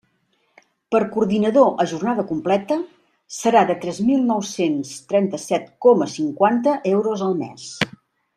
Per coordinador a jornada completa, serà de tres mil nou-cents trenta-set coma cinquanta euros al mes.